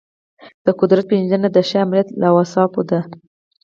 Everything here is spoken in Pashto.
د قدرت پیژندنه د ښه آمریت له اوصافو ده.